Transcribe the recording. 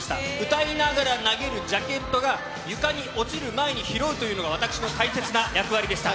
歌いながら投げるジャケットが床に落ちる前に拾うというのが、私の大切な役割でした。